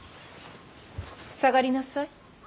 下がりなさい。